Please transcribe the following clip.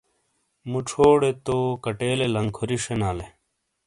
مُچھو ڑے تو کَٹیلے لنکھوری شینالے۔